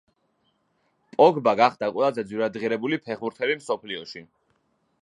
პოგბა გახდა ყველაზე ძვირადღირებული ფეხბურთელი მსოფლიოში.